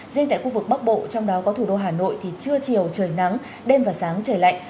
riêng tại khu vực bắc bộ trong đó có thủ đô hà nội thì trưa chiều trời nắng đêm và sáng trời lạnh